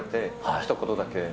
ひと言だけ。